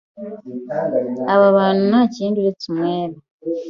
Aba bantu ntakindi uretse umwere.